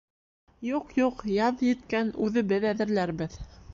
— Юҡ, юҡ, яҙ еткән, үҙебеҙ әҙерләрбеҙ.